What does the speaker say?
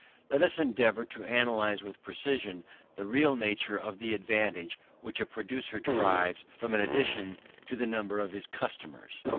Let us endeavour to analyse with precision the real nature of the advantage which a producer derives from an addition to the number of his customers.